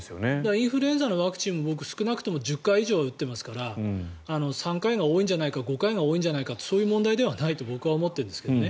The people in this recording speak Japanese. インフルエンザのワクチンも僕、少なくとも１０回以上は打ってますから３回が多いんじゃないか５回が多いんじゃないかそういう問題ではないと僕は思ってるんですけどね